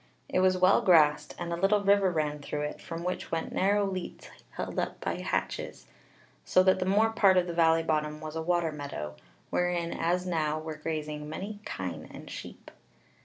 It was well grassed, and a little river ran through it, from which went narrow leats held up by hatches, so that the more part of the valley bottom was a water meadow, wherein as now were grazing many kine and sheep.